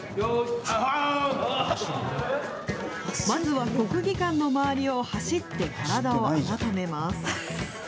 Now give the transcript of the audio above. まずは国技館の周りを走って体を温めます。